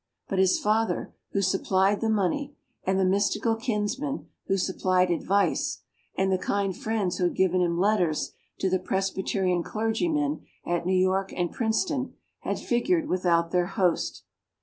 But his father, who supplied the money, and the mystical kinsmen who supplied advice, and the kind friends who had given him letters to the Presbyterian clergymen at New York and Princeton, had figured without their host.